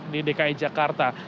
di dki jakarta